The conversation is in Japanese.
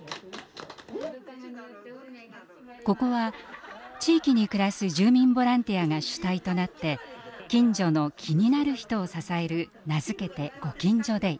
ここは地域に暮らす住民ボランティアが主体となって近所の「気になる人」を支える名付けて「ご近所デイ」。